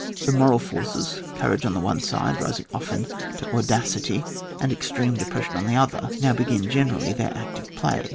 The moral forces, courage on the one side rising often to audacittfy and extreme depression on the other, now begin generally their active play.